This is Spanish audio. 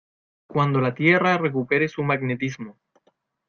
cuando la Tierra recupere su magnetismo